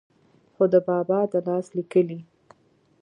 خو دَبابا دَلاس ليکلې